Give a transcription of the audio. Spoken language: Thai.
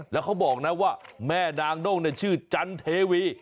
แล้วเขาบอกนะว่าแม่นางด้งชื่อจันเทวี